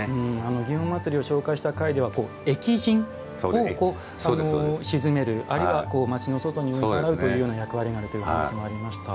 祇園祭を紹介した回では疫神を鎮めるあるいは町の外に追っ払うという役割があるというお話もありました。